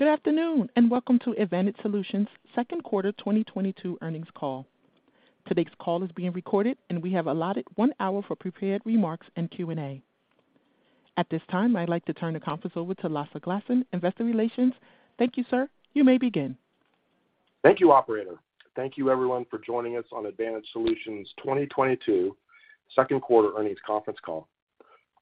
Good afternoon, and welcome to Advantage Solutions second quarter 2022 earnings call. Today's call is being recorded, and we have allotted one hour for prepared remarks and Q&A. At this time, I'd like to turn the conference over to Lasse Glassen, Investor Relations. Thank you, sir. You may begin. Thank you, operator. Thank you everyone for joining us on Advantage Solutions 2022 second quarter earnings conference call.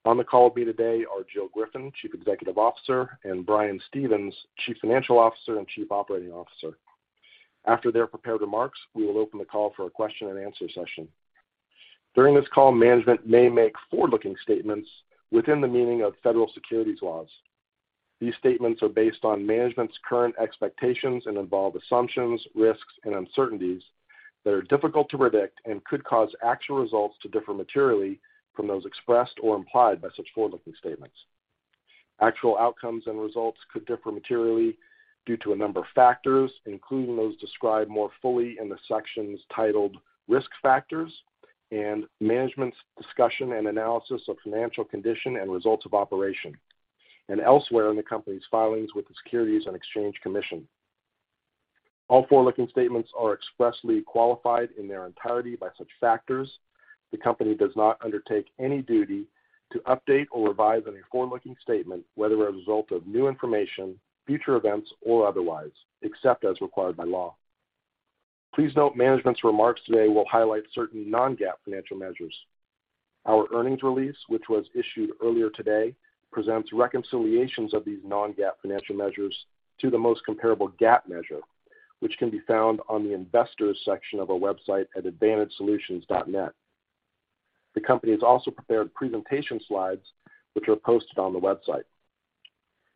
On the call with me today are Jill Griffin, Chief Executive Officer, and Brian Stevens, Chief Financial Officer and Chief Operating Officer. After their prepared remarks, we will open the call for a question and answer session. During this call, management may make forward-looking statements within the meaning of federal securities laws. These statements are based on management's current expectations and involve assumptions, risks, and uncertainties that are difficult to predict and could cause actual results to differ materially from those expressed or implied by such forward-looking statements. Actual outcomes and results could differ materially due to a number of factors, including those described more fully in the sections titled Risk Factors and Management's Discussion and Analysis of Financial Condition and Results of Operations, and elsewhere in the company's filings with the Securities and Exchange Commission. All forward-looking statements are expressly qualified in their entirety by such factors. The company does not undertake any duty to update or revise any forward-looking statement, whether as a result of new information, future events, or otherwise, except as required by law. Please note Management's remarks today will highlight certain non-GAAP financial measures. Our earnings release, which was issued earlier today, presents reconciliations of these non-GAAP financial measures to the most comparable GAAP measure, which can be found on the Investors section of our website at advantagesolutions.net. The company has also prepared presentation slides, which are posted on the website.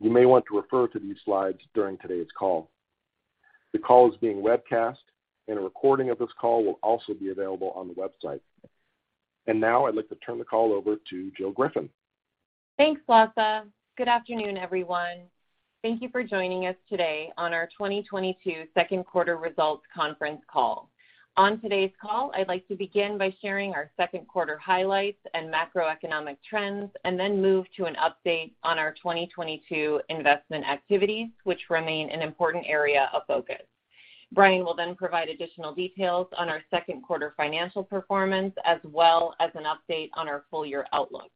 You may want to refer to these slides during today's call. The call is being webcast, and a recording of this call will also be available on the website. Now I'd like to turn the call over to Jill Griffin. Thanks, Lasse. Good afternoon, everyone. Thank you for joining us today on our 2022 second quarter results conference call. On today's call, I'd like to begin by sharing our second quarter highlights and macroeconomic trends, and then move to an update on our 2022 investment activities, which remain an important area of focus. Brian will then provide additional details on our second quarter financial performance, as well as an update on our full year outlook.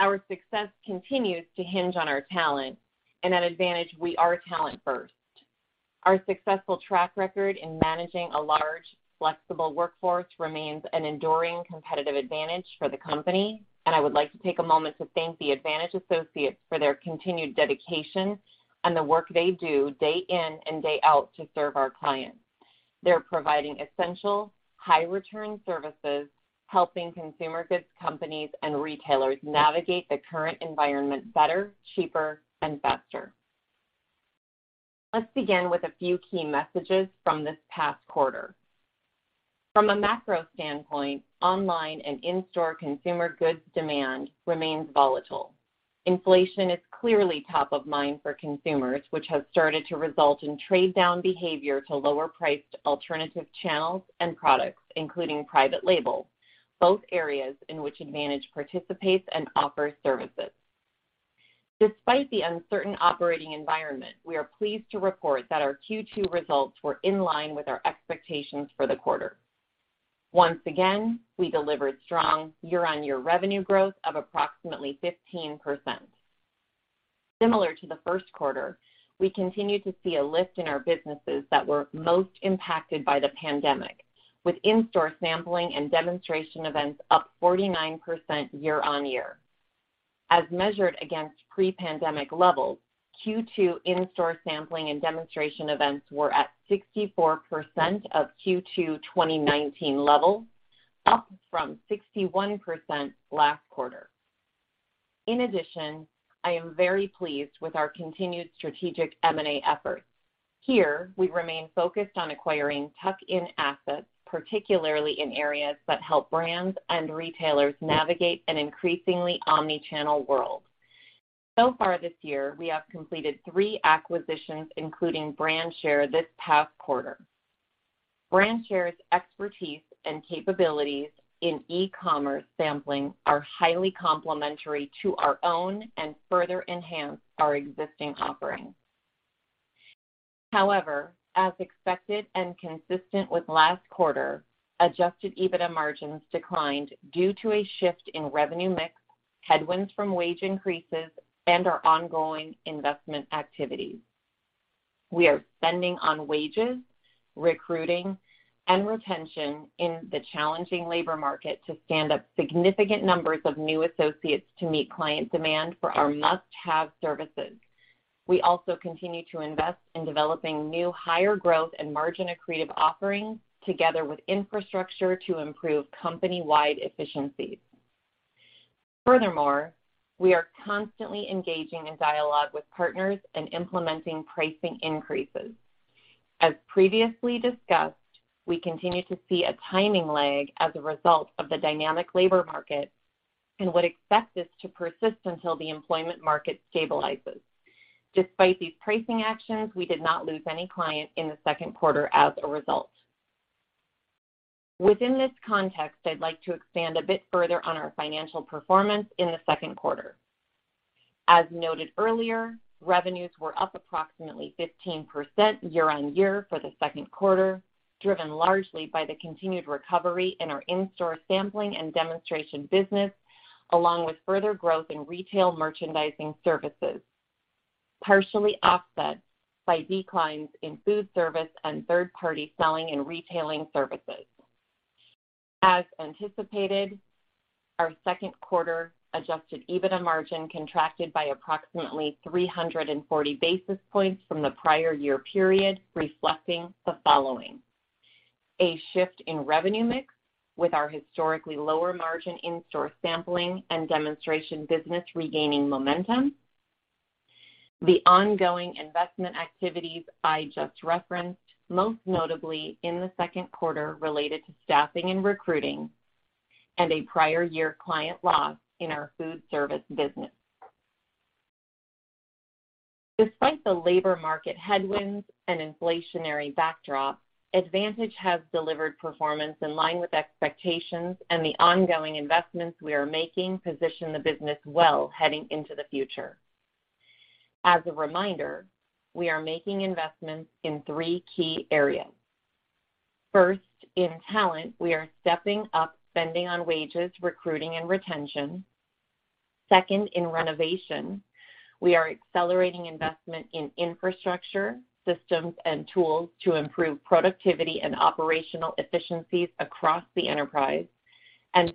Our success continues to hinge on our talent, and at Advantage, we are talent first. Our successful track record in managing a large, flexible workforce remains an enduring competitive advantage for the company, and I would like to take a moment to thank the Advantage associates for their continued dedication and the work they do day in and day out to serve our clients. They're providing essential, high-return services, helping consumer goods companies and retailers navigate the current environment better, cheaper, and faster. Let's begin with a few key messages from this past quarter. From a macro standpoint, online and in-store consumer goods demand remains volatile. Inflation is clearly top of mind for consumers, which has started to result in trade-down behavior to lower-priced alternative channels and products, including private labels, both areas in which Advantage participates and offers services. Despite the uncertain operating environment, we are pleased to report that our Q2 results were in line with our expectations for the quarter. Once again, we delivered strong year-on-year revenue growth of approximately 15%. Similar to the first quarter, we continued to see a lift in our businesses that were most impacted by the pandemic, with in-store sampling and demonstration events up 49% year-on-year. As measured against pre-pandemic levels, Q2 in-store sampling and demonstration events were at 64% of Q2 2019 levels, up from 61% last quarter. In addition, I am very pleased with our continued strategic M&A efforts. Here, we remain focused on acquiring tuck-in assets, particularly in areas that help brands and retailers navigate an increasingly omni-channel world. So far this year, we have completed three acquisitions, including Brandshare this past quarter. Brandshare's expertise and capabilities in e-commerce sampling are highly complementary to our own and further enhance our existing offerings. However, as expected and consistent with last quarter, adjusted EBITDA margins declined due to a shift in revenue mix, headwinds from wage increases, and our ongoing investment activities. We are spending on wages, recruiting, and retention in the challenging labor market to stand up significant numbers of new associates to meet client demand for our must-have services. We also continue to invest in developing new higher growth and margin accretive offerings together with infrastructure to improve company-wide efficiencies. Furthermore, we are constantly engaging in dialogue with partners and implementing pricing increases. As previously discussed, we continue to see a timing lag as a result of the dynamic labor market and would expect this to persist until the employment market stabilizes. Despite these pricing actions, we did not lose any client in the second quarter as a result. Within this context, I'd like to expand a bit further on our financial performance in the second quarter. As noted earlier, revenues were up approximately 15% year-over-year for the second quarter, driven largely by the continued recovery in our in-store sampling and demonstration business, along with further growth in retail merchandising services, partially offset by declines in food service and third-party selling and retailing services. As anticipated, our second quarter adjusted EBITDA margin contracted by approximately 340 basis points from the prior year period, reflecting the following. A shift in revenue mix with our historically lower margin in-store sampling and demonstration business regaining momentum. The ongoing investment activities I just referenced, most notably in the second quarter related to staffing and recruiting, and a prior year client loss in our food service business. Despite the labor market headwinds and inflationary backdrop, Advantage has delivered performance in line with expectations, and the ongoing investments we are making position the business well heading into the future. As a reminder, we are making investments in three key areas. First, in talent, we are stepping up spending on wages, recruiting and retention. Second, in innovation, we are accelerating investment in infrastructure, systems and tools to improve productivity and operational efficiencies across the enterprise.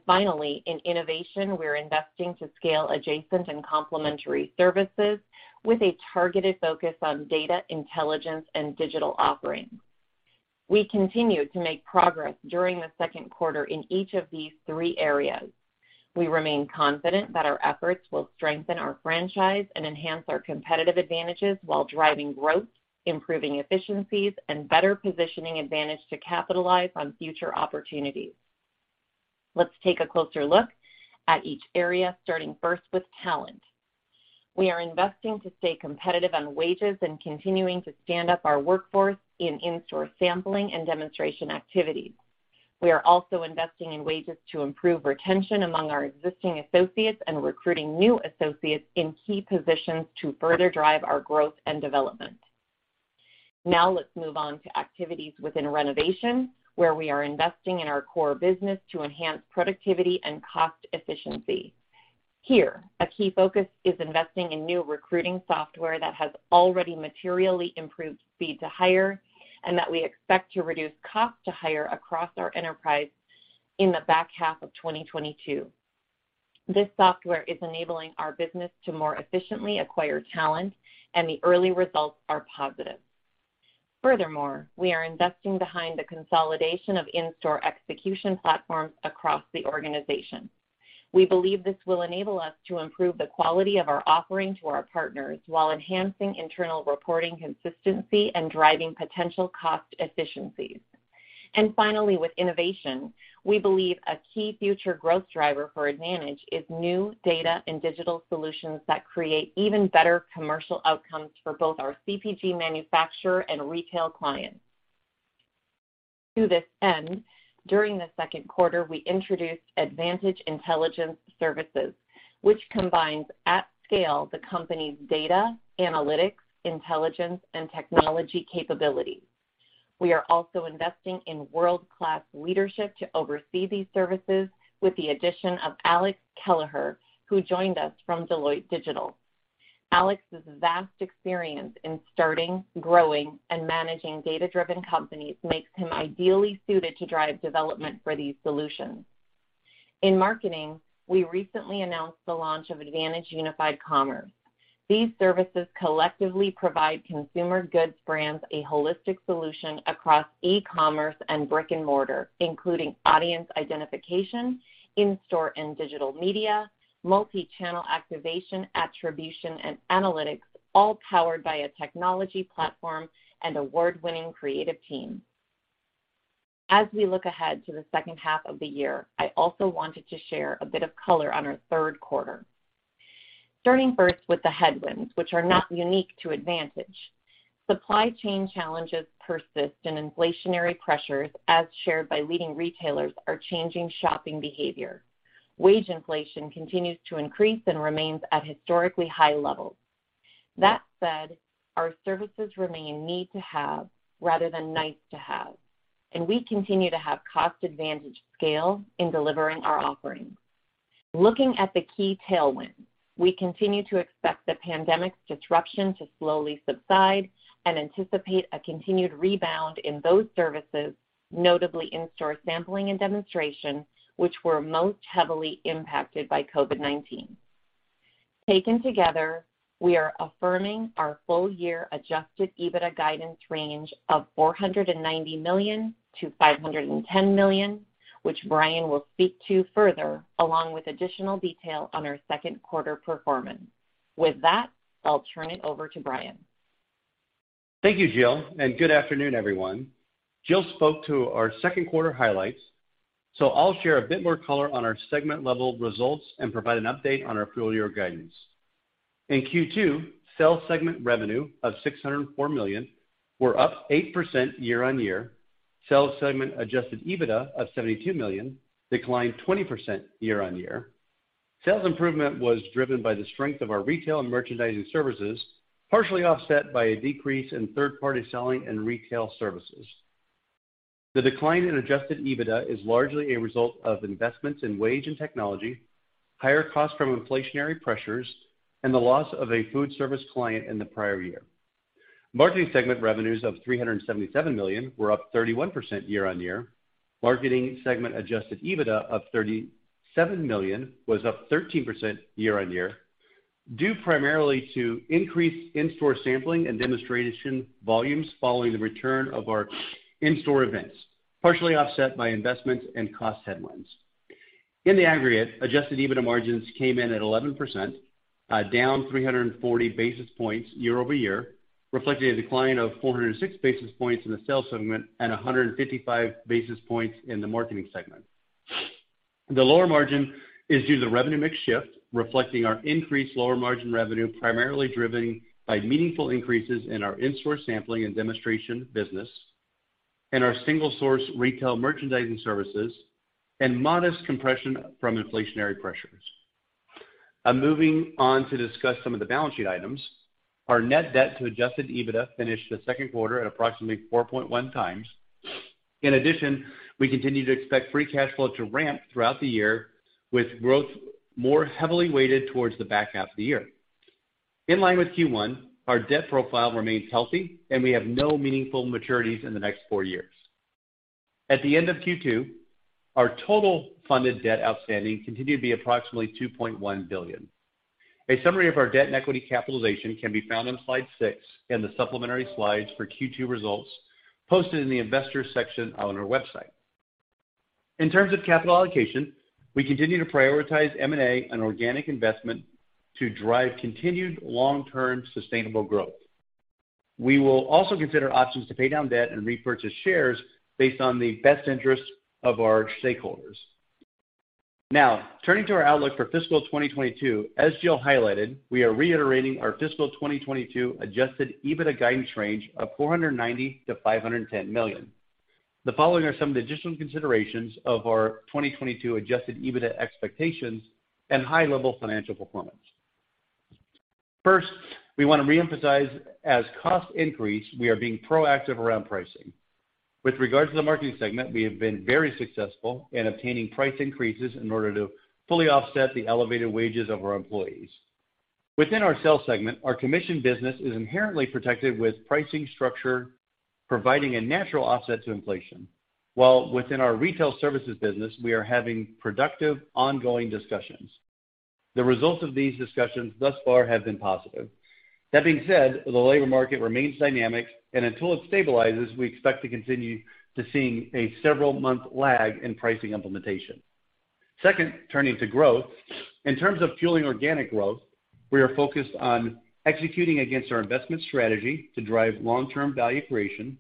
Finally, in innovation, we're investing to scale adjacent and complementary services with a targeted focus on data intelligence and digital offerings. We continued to make progress during the second quarter in each of these three areas. We remain confident that our efforts will strengthen our franchise and enhance our competitive advantages while driving growth, improving efficiencies, and better positioning Advantage to capitalize on future opportunities. Let's take a closer look at each area, starting first with talent. We are investing to stay competitive on wages and continuing to stand up our workforce in-store sampling and demonstration activities. We are also investing in wages to improve retention among our existing associates and recruiting new associates in key positions to further drive our growth and development. Now let's move on to activities within renovation, where we are investing in our core business to enhance productivity and cost efficiency. Here, a key focus is investing in new recruiting software that has already materially improved speed to hire and that we expect to reduce cost to hire across our enterprise in the back half of 2022. This software is enabling our business to more efficiently acquire talent, and the early results are positive. Furthermore, we are investing behind the consolidation of in-store execution platforms across the organization. We believe this will enable us to improve the quality of our offering to our partners while enhancing internal reporting consistency and driving potential cost efficiencies. Finally, with innovation, we believe a key future growth driver for Advantage is new data and digital solutions that create even better commercial outcomes for both our CPG manufacturer and retail clients. To this end, during the second quarter, we introduced Advantage Intelligence Services, which combines at scale the company's data, analytics, intelligence, and technology capabilities. We are also investing in world-class leadership to oversee these services with the addition of Alex Kelleher, who joined us from Deloitte Digital. Alex's vast experience in starting, growing, and managing data-driven companies makes him ideally suited to drive development for these solutions. In marketing, we recently announced the launch of Advantage Unified Commerce. These services collectively provide consumer goods brands a holistic solution across e-commerce and brick-and-mortar, including audience identification, in-store and digital media, multi-channel activation, attribution, and analytics, all powered by a technology platform and award-winning creative team. As we look ahead to the second half of the year, I also wanted to share a bit of color on our third quarter. Starting first with the headwinds, which are not unique to Advantage. Supply chain challenges persist, and inflationary pressures, as shared by leading retailers, are changing shopping behavior. Wage inflation continues to increase and remains at historically high levels. That said, our services remain need to have rather than nice to have, and we continue to have cost advantage scale in delivering our offerings. Looking at the key tailwinds, we continue to expect the pandemic's disruption to slowly subside and anticipate a continued rebound in those services, notably in-store sampling and demonstration, which were most heavily impacted by COVID-19. Taken together, we are affirming our full-year adjusted EBITDA guidance range of $490 million-$510 million, which Brian will speak to further, along with additional detail on our second quarter performance. With that, I'll turn it over to Brian. Thank you, Jill, and good afternoon, everyone. Jill spoke to our second quarter highlights, so I'll share a bit more color on our segment-level results and provide an update on our full-year guidance. In Q2, sales segment revenue of $604 million were up 8% year-over-year. Sales segment adjusted EBITDA of $72 million declined 20% year-over-year. Sales improvement was driven by the strength of our retail and merchandising services, partially offset by a decrease in third-party selling and retail services. The decline in adjusted EBITDA is largely a result of investments in wage and technology, higher costs from inflationary pressures, and the loss of a food service client in the prior year. Marketing segment revenues of $377 million were up 31% year-over-year. Marketing segment adjusted EBITDA of $37 million was up 13% year-on-year, due primarily to increased in-store sampling and demonstration volumes following the return of our in-store events, partially offset by investments and cost headwinds. In the aggregate, adjusted EBITDA margins came in at 11%, down 340 basis points year-over-year, reflecting a decline of 406 basis points in the sales segment and 155 basis points in the marketing segment. The lower margin is due to the revenue mix shift, reflecting our increased lower margin revenue, primarily driven by meaningful increases in our in-store sampling and demonstration business and our single source retail merchandising services and modest compression from inflationary pressures. I'm moving on to discuss some of the balance sheet items. Our net debt to adjusted EBITDA finished the second quarter at approximately 4.1x. In addition, we continue to expect free cash flow to ramp throughout the year, with growth more heavily weighted towards the back half of the year. In line with Q1, our debt profile remains healthy and we have no meaningful maturities in the next four years. At the end of Q2, our total funded debt outstanding continued to be approximately $2.1 billion. A summary of our debt and equity capitalization can be found on Slide six in the supplementary slides for Q2 results posted in the investors section on our website. In terms of capital allocation, we continue to prioritize M&A and organic investment to drive continued long-term sustainable growth. We will also consider options to pay down debt and repurchase shares based on the best interest of our stakeholders. Now, turning to our outlook for fiscal 2022, as Jill highlighted, we are reiterating our fiscal 2022 adjusted EBITDA guidance range of $490 million-$510 million. The following are some of the additional considerations of our 2022 adjusted EBITDA expectations and high level financial performance. First, we wanna reemphasize, as costs increase, we are being proactive around pricing. With regards to the marketing segment, we have been very successful in obtaining price increases in order to fully offset the elevated wages of our employees. Within our sales segment, our commission business is inherently protected with pricing structure, providing a natural offset to inflation, while within our retail services business, we are having productive ongoing discussions. The results of these discussions thus far have been positive. That being said, the labor market remains dynamic, and until it stabilizes, we expect to continue seeing a several-month lag in pricing implementation. Second, turning to growth. In terms of fueling organic growth, we are focused on executing against our investment strategy to drive long-term value creation.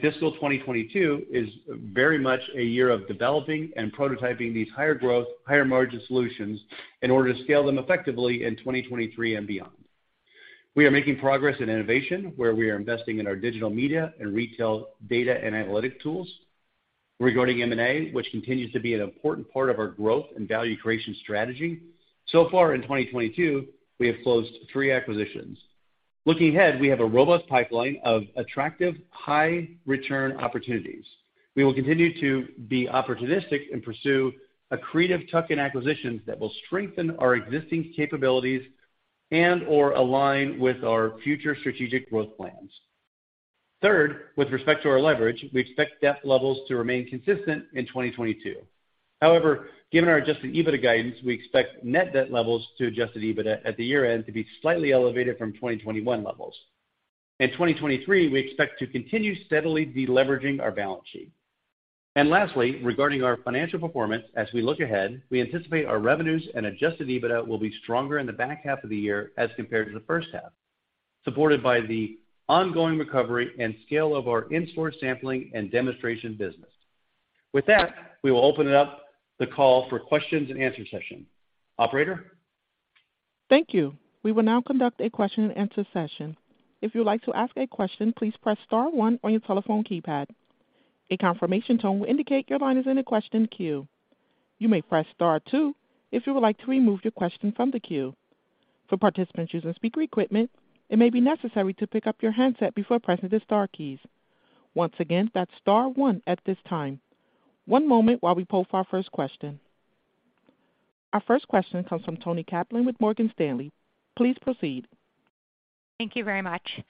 Fiscal 2022 is very much a year of developing and prototyping these higher growth, higher margin solutions in order to scale them effectively in 2023 and beyond. We are making progress in innovation, where we are investing in our digital media and retail data and analytic tools. Regarding M&A, which continues to be an important part of our growth and value creation strategy, so far in 2022, we have closed three acquisitions. Looking ahead, we have a robust pipeline of attractive high return opportunities. We will continue to be opportunistic and pursue accretive tuck-in acquisitions that will strengthen our existing capabilities and/or align with our future strategic growth plans. Third, with respect to our leverage, we expect debt levels to remain consistent in 2022. However, given our adjusted EBITDA guidance, we expect net debt to adjusted EBITDA at the year-end to be slightly elevated from 2021 levels. In 2023, we expect to continue steadily deleveraging our balance sheet. Lastly, regarding our financial performance, as we look ahead, we anticipate our revenues and adjusted EBITDA will be stronger in the back half of the year as compared to the first half, supported by the ongoing recovery and scale of our in-store sampling and demonstration business. With that, we will open up the call for questions and answers session. Operator? Thank you. We will now conduct a question-and-answer session. If you would like to ask a question, please press star one on your telephone keypad. A confirmation tone will indicate your line is in a question queue. You may press star two if you would like to remove your question from the queue. For participants using speaker equipment, it may be necessary to pick up your handset before pressing the star keys. Once again, that's star one at this time. One moment while we poll for our first question. Our first question comes from Toni Kaplan with Morgan Stanley. Please proceed. Thank you very much.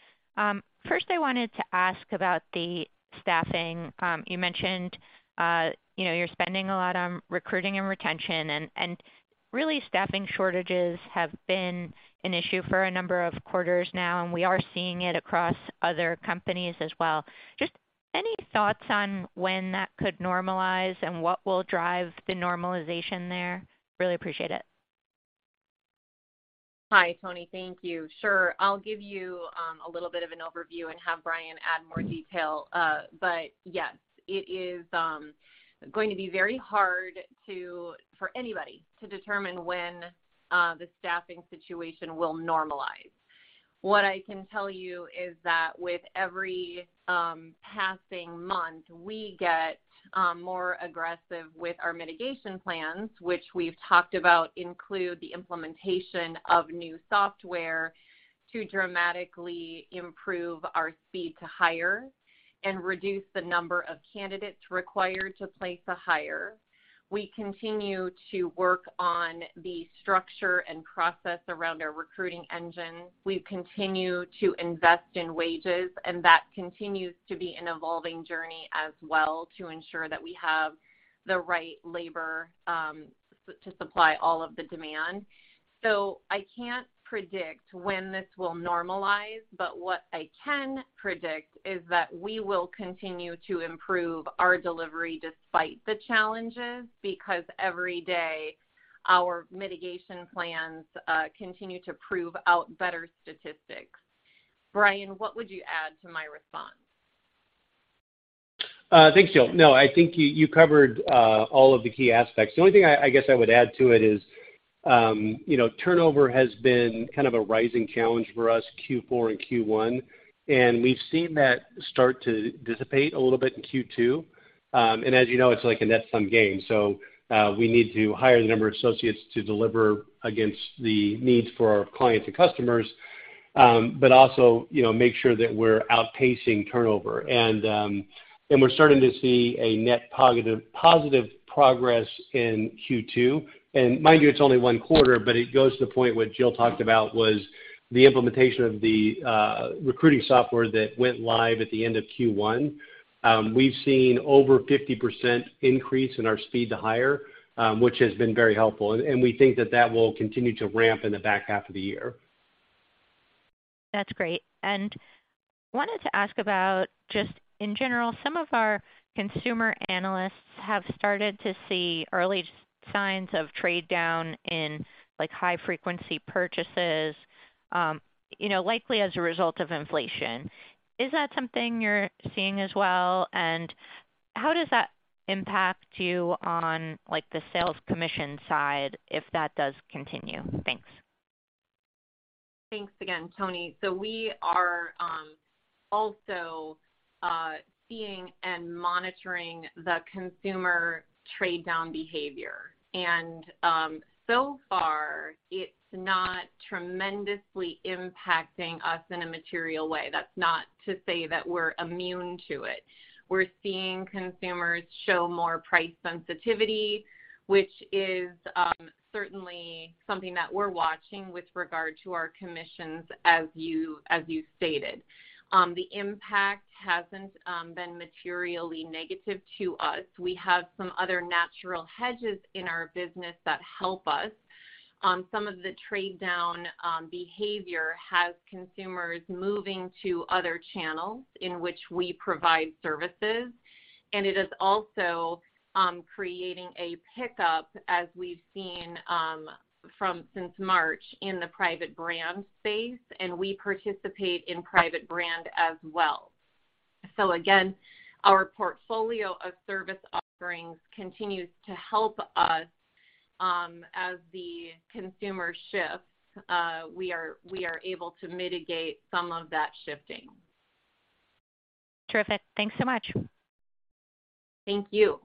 First I wanted to ask about the staffing. You mentioned, you know, you're spending a lot on recruiting and retention, and really staffing shortages have been an issue for a number of quarters now, and we are seeing it across other companies as well. Just any thoughts on when that could normalize and what will drive the normalization there? Really appreciate it. Hi, Toni. Thank you. Sure. I'll give you a little bit of an overview and have Brian add more detail. Yes, it is going to be very hard for anybody to determine when the staffing situation will normalize. What I can tell you is that with every passing month, we get more aggressive with our mitigation plans, which we've talked about include the implementation of new software to dramatically improve our speed to hire and reduce the number of candidates required to place a hire. We continue to work on the structure and process around our recruiting engine. We continue to invest in wages, and that continues to be an evolving journey as well to ensure that we have the right labor to supply all of the demand. I can't predict when this will normalize, but what I can predict is that we will continue to improve our delivery despite the challenges, because every day, our mitigation plans continue to prove out better statistics. Brian, what would you add to my response? Thanks, Jill. No, I think you covered all of the key aspects. The only thing I guess I would add to it is, you know, turnover has been kind of a rising challenge for us, Q4 and Q1, and we've seen that start to dissipate a little bit in Q2. As you know, it's like a net sum game. We need to hire the number of associates to deliver against the needs for our clients and customers, but also, you know, make sure that we're outpacing turnover. We're starting to see a net positive progress in Q2. Mind you, it's only one quarter, but it goes to the point what Jill talked about was the implementation of the recruiting software that went live at the end of Q1. We've seen over 50% increase in our speed to hire, which has been very helpful. We think that will continue to ramp in the back half of the year. That's great. Wanted to ask about just in general, some of our consumer analysts have started to see early signs of trade-down in, like, high-frequency purchases, you know, likely as a result of inflation. Is that something you're seeing as well? And how does that impact you on, like, the sales commission side if that does continue? Thanks. Thanks again, Toni. We are also seeing and monitoring the consumer trade-down behavior. So far, it's not tremendously impacting us in a material way. That's not to say that we're immune to it. We're seeing consumers show more price sensitivity, which is certainly something that we're watching with regard to our commissions, as you stated. The impact hasn't been materially negative to us. We have some other natural hedges in our business that help us. Some of the trade-down behavior has consumers moving to other channels in which we provide services, and it is also creating a pickup as we've seen since March in the private brand space, and we participate in private brand as well. Again, our portfolio of service offerings continues to help us, as the consumer shifts, we are able to mitigate some of that shifting. Terrific. Thanks so much. Thank you.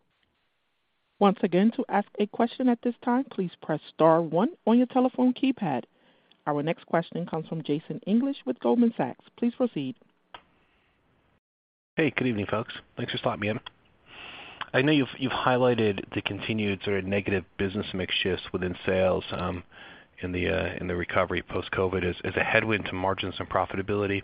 Once again, to ask a question at this time, please press star one on your telephone keypad. Our next question comes from Jason English with Goldman Sachs. Please proceed. Hey, good evening, folks. Thanks for slotting me in. I know you've highlighted the continued sort of negative business mix shifts within sales, in the recovery post-COVID as a headwind to margins and profitability.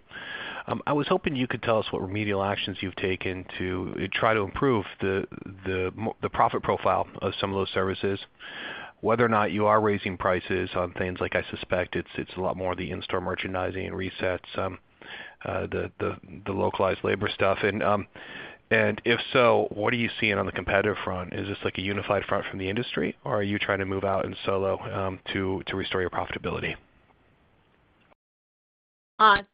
I was hoping you could tell us what remedial actions you've taken to try to improve the profit profile of some of those services, whether or not you are raising prices on things like I suspect it's a lot more of the in-store merchandising and resets, the localized labor stuff. If so, what are you seeing on the competitive front? Is this like a unified front from the industry, or are you trying to move out and solo to restore your profitability?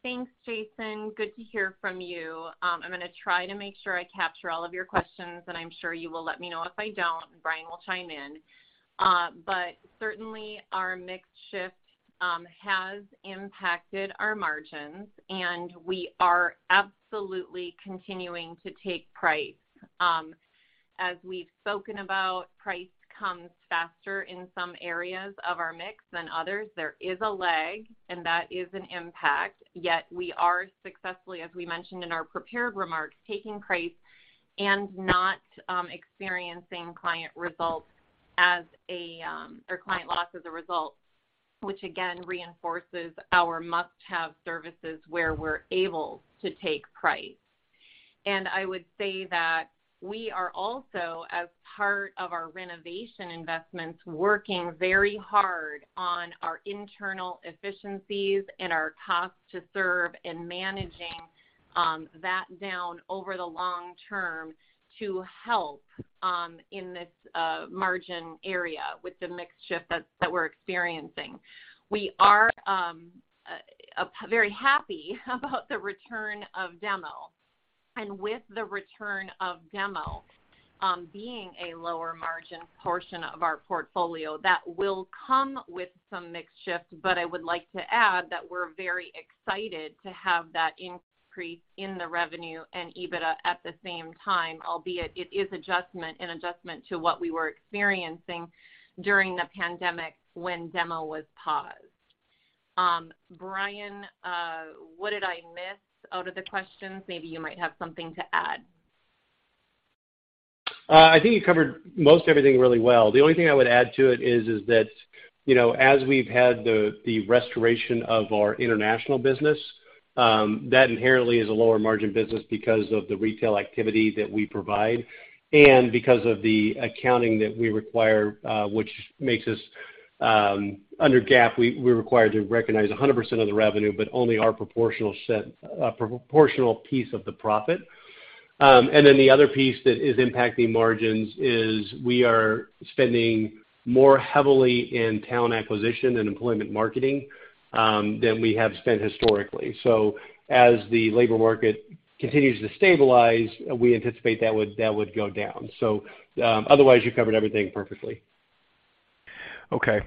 Thanks, Jason. Good to hear from you. I'm gonna try to make sure I capture all of your questions, and I'm sure you will let me know if I don't, and Brian will chime in. Certainly, our mix shift has impacted our margins, and we are absolutely continuing to take price. As we've spoken about, price comes faster in some areas of our mix than others. There is a lag, and that is an impact, yet we are successfully, as we mentioned in our prepared remarks, taking price and not experiencing client resistance or client loss as a result, which again reinforces our must-have services where we're able to take price. I would say that we are also, as part of our renovation investments, working very hard on our internal efficiencies and our cost to serve and managing that down over the long term to help in this margin area with the mix shift that we're experiencing. We are very happy about the return of demo. With the return of demo being a lower margin portion of our portfolio, that will come with some mix shift, but I would like to add that we're very excited to have that increase in the revenue and EBITDA at the same time, albeit it is an adjustment to what we were experiencing during the pandemic when demo was paused. Brian, what did I miss out of the questions? Maybe you might have something to add. I think you covered most everything really well. The only thing I would add to it is that, you know, as we've had the restoration of our international business, that inherently is a lower margin business because of the retail activity that we provide and because of the accounting that we require, which makes us under GAAP, we're required to recognize 100% of the revenue, but only our proportional piece of the profit. The other piece that is impacting margins is we are spending more heavily in talent acquisition and employment marketing than we have spent historically. As the labor market continues to stabilize, we anticipate that would go down. Otherwise, you covered everything perfectly. Okay.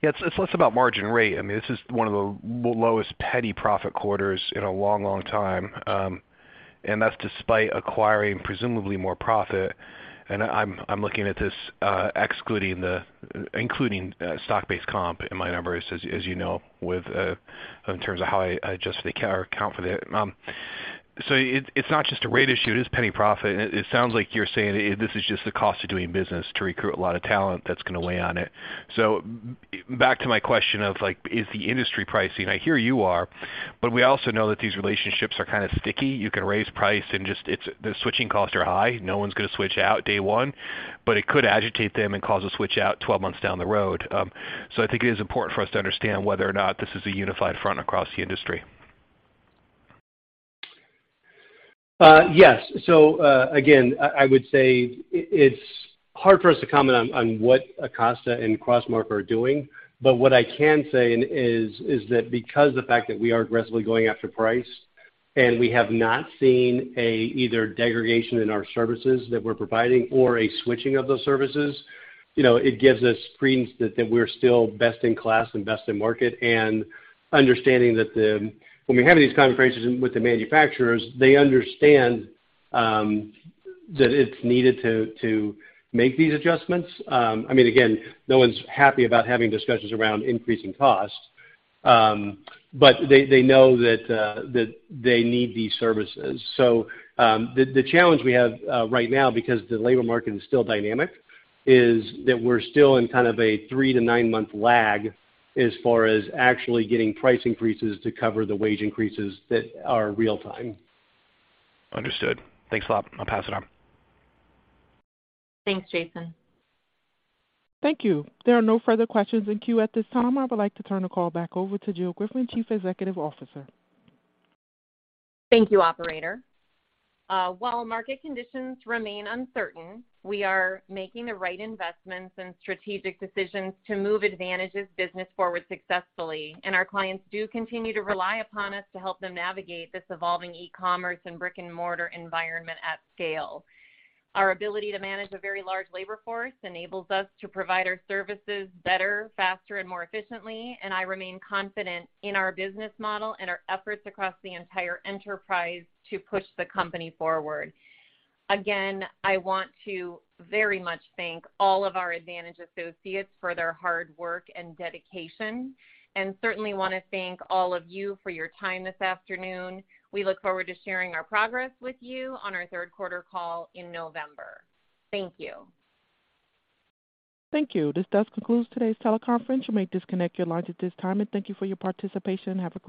Yeah, it's less about margin rate. I mean, this is one of the lowest penny profit quarters in a long, long time, and that's despite acquiring presumably more profit. I'm looking at this, including stock-based comp in my numbers, as you know, in terms of how I adjust or account for the. It's not just a rate issue. It is penny profit. It sounds like you're saying this is just the cost of doing business to recruit a lot of talent that's gonna weigh on it. Back to my question of, like, is the industry pricing? I hear you are, but we also know that these relationships are kind of sticky. You can raise price and just it's the switching costs are high. No one's gonna switch out day one, but it could agitate them and cause a switch out 12 months down the road. I think it is important for us to understand whether or not this is a unified front across the industry. Yes. Again, I would say it's hard for us to comment on what Acosta and CROSSMARK are doing. What I can say is that because of the fact that we are aggressively going after price and we have not seen either degradation in our services that we're providing or a switching of those services, you know, it gives us credence that we're still best in class and best in market. Understanding that when we're having these conversations with the manufacturers, they understand that it's needed to make these adjustments. I mean, again, no one's happy about having discussions around increasing costs, but they know that they need these services. The challenge we have right now because the labor market is still dynamic is that we're still in kind of a 3-9-month lag as far as actually getting price increases to cover the wage increases that are real time. Understood. Thanks a lot. I'll pass it on. Thanks, Jason. Thank you. There are no further questions in queue at this time. I would like to turn the call back over to Jill Griffin, Chief Executive Officer. Thank you, operator. While market conditions remain uncertain, we are making the right investments and strategic decisions to move Advantage's business forward successfully. Our clients do continue to rely upon us to help them navigate this evolving e-commerce and brick-and-mortar environment at scale. Our ability to manage a very large labor force enables us to provide our services better, faster, and more efficiently, and I remain confident in our business model and our efforts across the entire enterprise to push the company forward. Again, I want to very much thank all of our Advantage associates for their hard work and dedication, and certainly wanna thank all of you for your time this afternoon. We look forward to sharing our progress with you on our third quarter call in November. Thank you. Thank you. This does conclude today's teleconference. You may disconnect your lines at this time. Thank you for your participation. Have a great day.